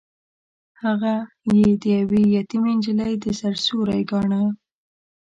هغه يې د يوې يتيمې نجلۍ د سر سيوری ګاڼه.